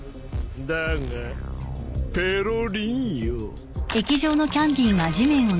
だがペロリンよぉ。